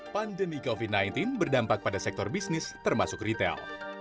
pandemi covid sembilan belas berdampak pada sektor bisnis termasuk retail